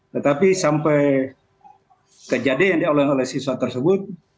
tetapi sampai kejadian diolong oleh siswa tersebut